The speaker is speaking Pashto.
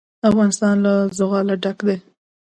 افغانستان له زغال ډک دی.